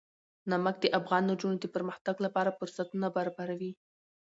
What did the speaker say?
نمک د افغان نجونو د پرمختګ لپاره فرصتونه برابروي.